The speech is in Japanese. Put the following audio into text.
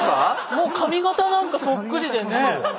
もう髪型なんかそっくりでね。